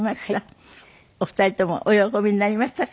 お二人ともお喜びになりましたか？